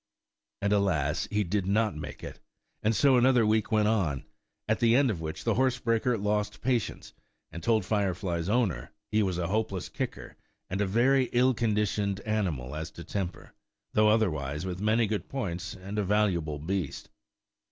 And alas! he did not make it; and so another week went on, at the end of which the horsebreaker lost patience, and told Firefly's owner he was a hopeless kicker, and a very ill conditioned animal as to temper, though otherwise with many good points, and a valuable beast.